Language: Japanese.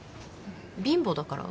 貧乏だから？